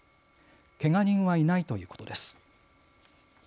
けが人は、いないということです。